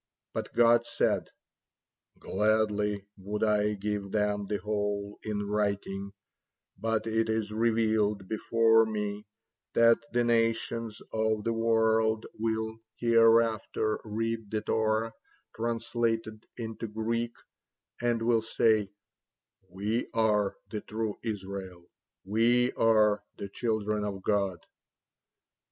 But God said: "Gladly would I give them the whole in writing, but it is revealed before Me that the nations of the world will hereafter read the Torah translated into Greek, and will say: 'We are the true Israel, we are the children of God.'